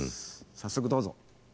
早速どうぞ！